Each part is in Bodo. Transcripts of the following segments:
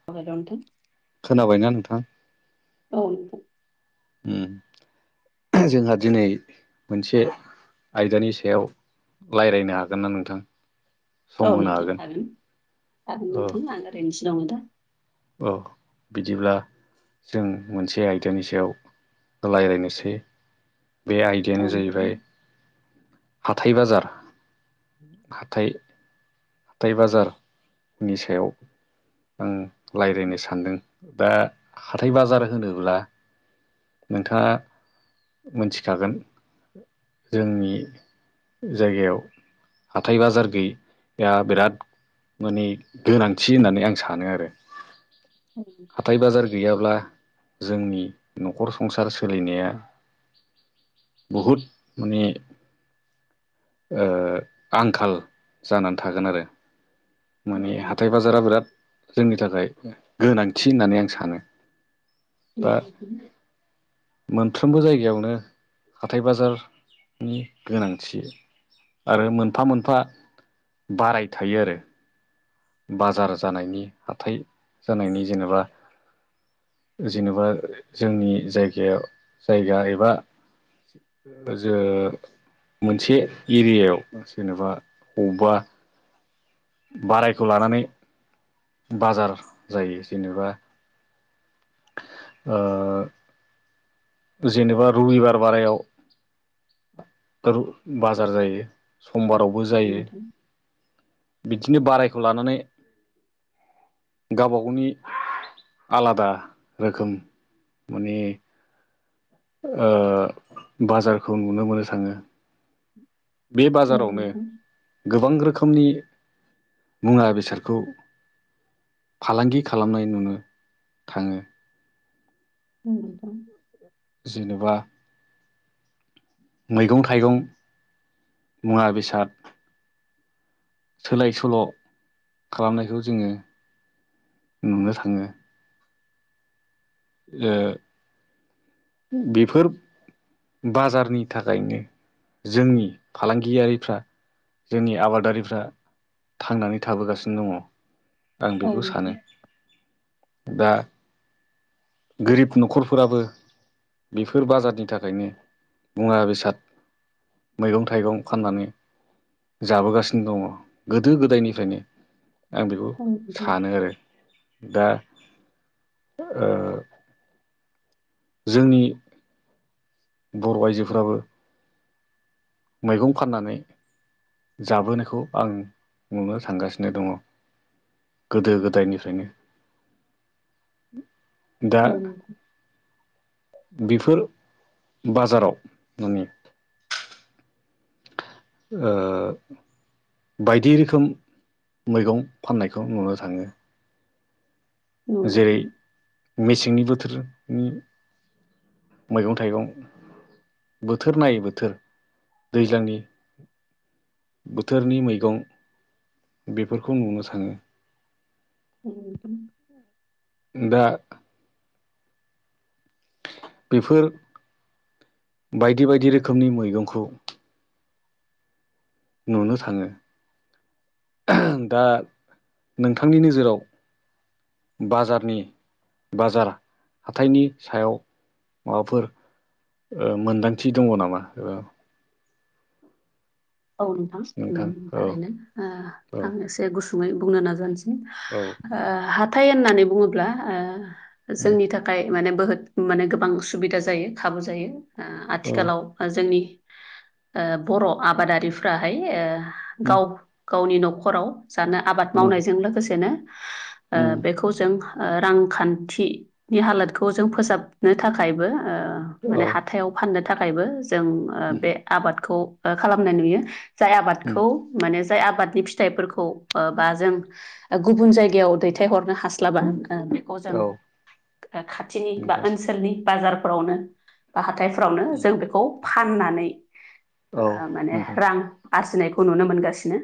[unintelligible] खोनाबायना नोंथां? औ नोंथां। उम जोंहा दिनै मोनसे आयदानि सायाव लायरायनो हागोन ना नोंथां? सम औ होनो नोंथां हागोन हागोन नोंथां [unintelligible] अह बिदिब्ला जों मोनसे आयदानि सायाव लायरायनोसै। बे आयदायानो औ नोंथां जाहैबाय हाथाइ बाजार हाथाइ हाथाइ बाजारनि सायाव आं लायरायनो सानदों दा हाथाइ बाजार होनोब्ला नोंथाङा मोनथिखागोन जोंनि जायगायाव हाथाइ बाजार गोयिआ बिराद माने गोनांथि होननानै आं सानो आरो। उम। हाथाइ बाजार गैयाब्ला जोंनि न'खर संसार सोलिनाया बुहुत माने ओ आंखाल जानानै थागोन आरो। औ माने नोंथां हाथाय बाजारा बिराद जोंनि थाखाय गोनांथि होननानै आं सानो। औ दा मोनफ्रोमबो जायग यावनो हाथाइ बाजार नि गोनांथि। आरो मोनफा मोनफा बाराय थायो आरो। बाजार जानायनि हााइ जानायनि जेनेबा जेनबा जोंनि जायगायाव जायगा एबा जो मोनसे एरियायाव जेनेबा बबबा बाराय बेखौ लानानै बाजार जायो जेनेबा ओ जेनेबा रबिबार बारायाव र बाजार जायो समबारावबो जायो। नोंथां बिदिनो बारायखौ लानानै गावबा गावनि आलादा रोखोम माने बाजारखौ नुनो मोनो थाङो। बे औ बाजारावनो नोंथां गोबां रोखोमनि मुवा बेसादखौ फालांगि खालामनाय नुनो थाङो। औ‌ नोंथां। जिनबा। मैगं थाइगं मुवा बेसाद। सोलाय सोल' खालामनायखौ जोङो नुनो थाङो। बेफोरफ बाजारनि थाखायनो जोंनि फालांगियारिफ्रा जोंनि आबादारिफ्रा थांनानै थाबोगासिनो दङ। आं औ बेखौ नोंथां सानो दा गोरिब न'खरफोराबो बेफोर बाजारनि थाखायनो मुवा बेसाद मैगं थाइगं फाननानै जाबोगासिनो दङ गोदो गोदायनिफ्रायनो आं बेखौ औ नोंथां औ नोंथां औ नोंथां औ सानो आरो दा ओ जोंनि बर' आइजोफोराबो मैगं फाननानै जाबोनायखौ आं नुनो थांगासिनो दङ। गोदो गोदायनिफ्रायनो। दा। बिफोर बाजाराव माने ओ बायदि रोखोम मैगं फाननायखौ नुनो थाङो। जेरै मेसेंनि बोथोरनि मैगं थाइगं बोथोर नायै बोथोर दैज्लांनि बोथोरनि मैगं बेफोरखौ नुनो थांङो [unintelligible] दा। बेफोर बायदि बायदि रोखोमनि मैगंखौ नुनो थाङो दा नोंथांनि नोजोराव बाजारनि बाजार हाथायनि सायाव माबाफोर मोन्दांथि दङ नामा एबा औ नोंथां उम थारैनो ओ औ आं एसे गुसुङै बुंनो नाजानोसै। औ हाथाय होननानै बुङोब्ला जोंनि थाखाय माने बोहत माने गोबां सुबिदा जायो खाबु जायो औ आथिखालाव ओ जोंनि ओ बर' आबादारिफ्राहाय उम गावफ गावनि न'खराव जानो आबाद उम मावनायजों लोगोसेनो उम बेखौ जों रांखान्थिनि हालोदखौ जों फोसाबनो थाखायबो औ माने हाथायाव फाननो थाखायबो जों उम बे ओ आबादखौ खालामनाय नुयो। जाय उम आबादखौ माने जाय आबादनि फिथाइफोरखौ ओ बा जों गुबुन जायगायाव दैथाय हरनो हास्लाबा अ जों औ खाथिनि बा नोंथां ओनसोलनि बाजारफोरावनो बा हाथायफोरावनो उम जों बेखौ फाननानै औ माने नोंथां रां आरजिनायखौ नुनो मोनगासिनो।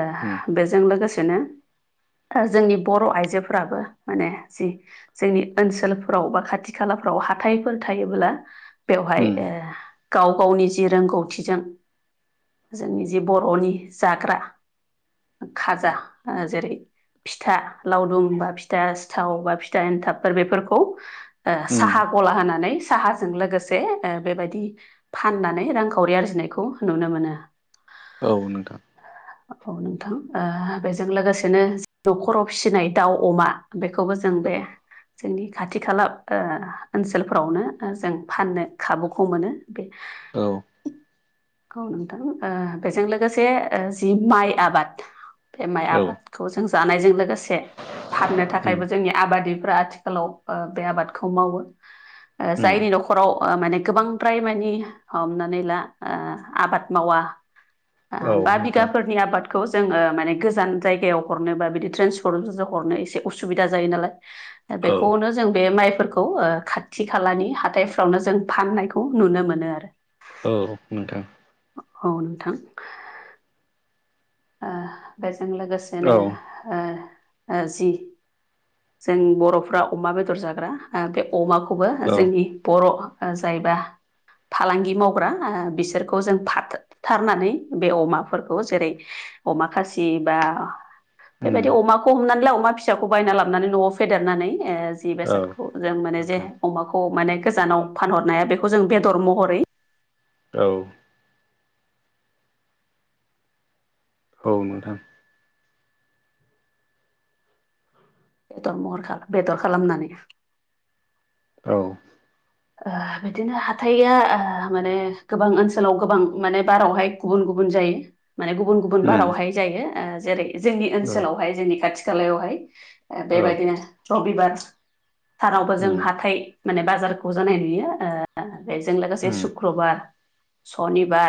ओ उम बेजों लोगोसेनो ओ जोंनि बर' आइजोफोराबो माने जि जोंनि ओनसोलफोराव बा खाथि खालाफ्राव हाथायफोर थायोब्ला बेवहाय उम गाव गावनि जि रोंगौथिजों जोंनि जे बर'नि जाग्रा खाजा ओ जेरै फिथा लावदुम बा फिथा सिथाव बा फिथा एन्थाबफोर बेफोरखौ। ओ उम साहा गला होनानै साहाजों लोगोसे जे बेबायदि फाननानै रांखावरि आरजिनायखौ नुनो मोनो। औ नोंथां औ नोंथां ओ बेजों लोगोसेनो न'खराव फिसिनाय दाउ अमा बेखौबो जों बे जोंनि खाथि खाला ओनसोलफोरावनो जों फाननो खाबुखौ मोनो बे औ औ नोंथां बेजों लोगोसे जि माइ आबाद बे माइ औ आबाद खौ जों जानायजों लोगोसे फाननो उम थाखायबो जोंनि आबादिफ्रा आथिखालाव बे आबादखौ मावो। ओ उम जायनि न'खराव माने गोबांद्राय मानि हमनानै ला आबाद मावा औ बा नोंथां बिगाफोरनि आबाद खौ जोंङो माने गोजान जायगायाव हरनो बा बिदि ट्रेन्सपर्ट हरनो एसे उसुबिदा जायो नालाय दा औ बेखौनो जों बे माइफोरखौ खौ ओ खाथि खालानि हाथथायफ्रावनो जों फाननायखौ नुनो मोनो आरो‌ औ नोंथां। औ नोंथां। ओ बेजों औ लोगोसेनो ओ ओ जि जों बर'फ्रा अमा बेदर जाग्रा बे अमाखौबो जोंनि बर' ओ जायबा फालांगि मावग्रा ओ बिसोरखौ जों फाथथारनानै बे अमाफोरखौ जेरै अमा खासि बा उम बेबायदि अमाखौ हमनानैलाय अमा फि फिसाखौ बायना लाबानै न'आव फेदेरनानै ओ जि औ बेसादखौ जों माने जे नोंथां अमाखौ माने गोजानाव फानहरनाय हानाय बेखौ जों बेदर महरै औ औ नोंथां। बेदर महर बेदर खालामनानै औ ओह बिदिनो हाथाइया ओह माने गोबां ओनसोलाव गोबां माने बारावहाय गुबुन गुबुन जायो। माने गुबुन गुबुन उम बारावहाय जायो जेरै जोंनि औ ओनसोलावहाय जोंनि खाथि खालायावहाय ओ औ बेबायदिनो रबिबार सानावबो जों उम हााइ माने बाजार खौ जानाय नुयो ओह बेजों लोगोसे उम सुक्रबार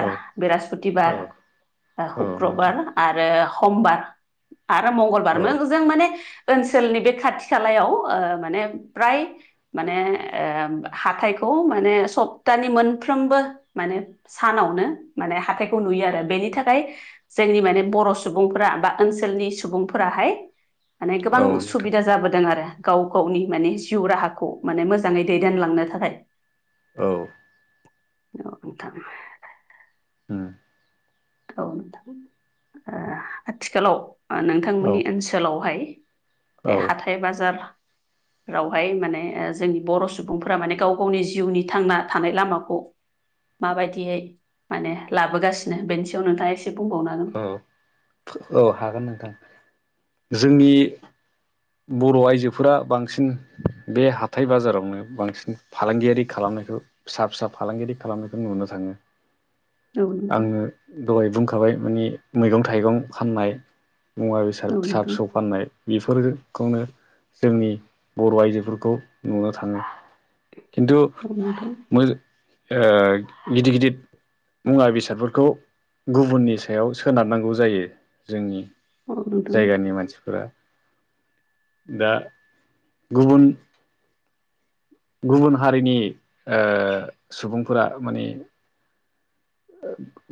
औ बृहस्पतबार औ ओ औ नोंथां सुक्रबार आरो समबार आरो औ मंगलबार जों माने ओनसोलनि बे खाथि खालायाव ओ माने फ्राय माने ओ हाथाइखौ माने सप्तानि मोनफ्रोमबो माने सानावनो माने हाथायखौ नुयो आरो बेनि थाखाय जोंनि माने बर' सुबुंफोरा बा ओनसोलनि सुबुंफोराहाय माने औ गोबां नोंथां सुबिदा जाबोदों आरो गाव गावनि माने जिउ राहाखौ माने मोजाङै दैदेनलांनो थाखाय औ औ नोंथां उम औ नोंथां ओह आथिखालाव औ नोंथांमोननि ओनसोलावहाय बे हाथाय बाजार रावहाय माने ओ जोंनि बर' सुबुंफोरा माने गाव गावनि जिउनि थांना थानाय लामाखौ माबायदियै माने लाबोगासिनो बेनि सायाव नोंथाङा एसे बुंबावनांगोन। ओ औ हागोन नोंथां जोंनि बर' आइजोफोरा बांसिन बे हाथाय बाजारावनो बांसिन फालांगियारि खालामनायखौ फिसा फिसा फालांगिरि खालामनायखौ नुनो थाङो हागोन आङो दहाय बुंखाबाय मानानि मैगं थाइगं फाननाय मुवा बेसाद औ फिसा नोंथां फिसौ फाननाय बेफोरखौनो जोंनि बर' आइजोफोरखौ नुनो थाङो खिन्थु औ नोंथां मो ओ गिदिर गिदिर मुवा बेसादफोरखौ गुबुननिसो सायाव सोनारनांगौ जायो जोंनि औ नोंथां जायगानि मानसिफोरा दा गुबुन गुबुन हारिनि ओ सुबुंफोरा माने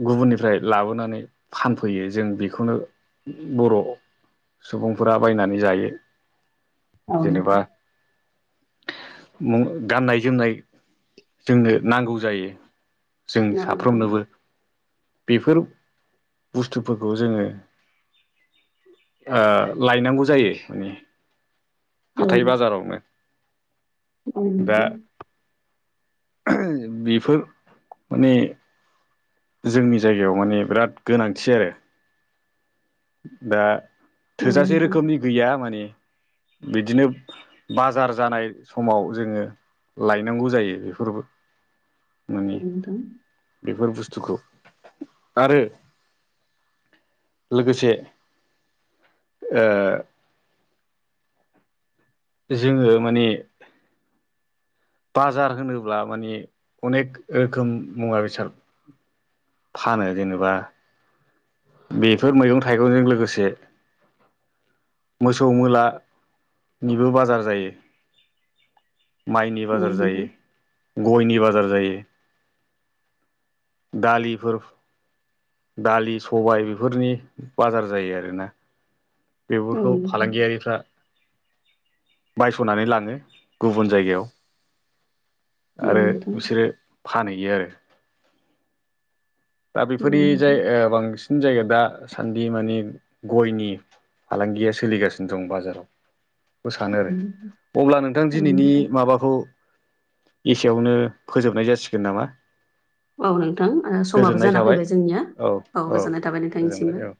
गुबुननिफ्राय लाबोनानै फानफैयो जों बेखौनो बर' सुबुंफोरा बायनानै जायो। औ नोंथां। मु गाननाय जोमनाय जोंनो नांगौ जायो। जों नोंथां साफ्रोमनोबो। बेफोर बुस्थुफोरखौ जोङो ओ लायनांगौ जायो माने औ नोंथां औ हाथाय बाजारावनो दा नोंथां बेफोर माने जोंनि जायगायाव माने बिराद गोनांथि आरो दा औ नोंथां औ नोंथां औ नोंथां औ नोंथां औ नोंथां औ थोजासे नोंथां रोखोमनि गैया माने बिदिनो बाजार जानाय समाव जोङो लायनांगौ जायो बेफोरबो माने बेफोर बुस्थुखौ आरो लोगोसे ओ जोङो माने बाजार होनोब्ला माने अनेक रोखोम मुवा बेसाद फानो जेनेबा बेफोर मैगं थाइगंजों लोगोसे मोसौ मोला निबो बाजार जायो। माइनि बाजार जायो गयनि बाजार जायो। दालिफोर दालि सबाय बेफोरनि बाजार जायो आरोना बेफोरखौ फालांगियारिफ्रा बायस'नानै लाङो गुबुन जायगायाव आरो बिसोरो फानहैयो आरो दा बेफोरनि जाय ओ बांसिन जायगा दासान्दि मानि गयनि फालांगिया सोलिगासिनो दं बाजाराव बे सानो आरो अब्ला नोंथां औ दिनैनि नोंथां माबा खौ एसेयावनो फोजोबनाय जासिगोन नामा औ नोंथां ओ समाबो गोजोननाय जाना थाबाय फैबाय जोंनिया औ गोजोननाय थाबाय गोजोनबाय नोंथांनिसिमबो औ